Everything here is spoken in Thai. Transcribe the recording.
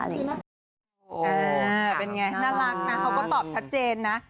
เป็นไงน่ารักนะเขาก็ตอบชัดเจนนะ